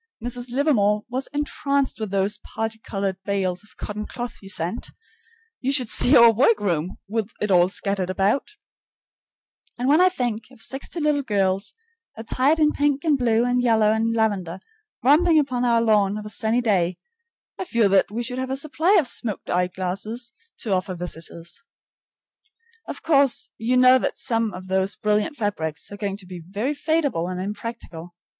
Mrs. Livermore was entranced with those parti colored bales of cotton cloth you sent, you should see our workroom, with it all scattered about, and when I think of sixty little girls, attired in pink and blue and yellow and lavender, romping upon our lawn of a sunny day, I feel that we should have a supply of smoked eye glasses to offer visitors. Of course you know that some of those brilliant fabrics are going to be very fadeable and impractical.